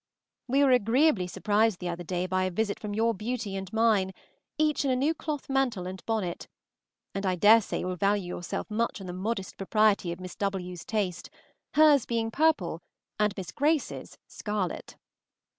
We were agreeably surprised the other day by a visit from your beauty and mine, each in a new cloth mantle and bonnet; and I dare say you will value yourself much on the modest propriety of Miss W.'s taste, hers being purple and Miss Grace's scarlet.